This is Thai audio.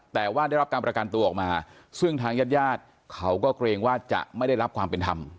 แต่ว่าได้รับการประกันตัวออกมาซึ่งทางญาติญาติเขาก็เกรงว่าจะไม่ได้รับความเป็นธรรม